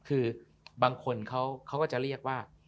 คือบางคนเขาก็จะเรียกว่า